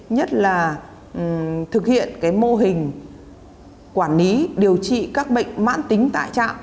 nhất là thực hiện mô hình quản lý điều trị các bệnh mãn tính tại trạm